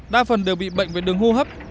đa phần đều bị bệnh về đường hô hấp